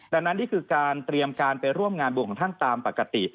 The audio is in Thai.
ดังนั้นนี่คือการเตรียมการไปร่วมงานบุญของท่านตามปกติ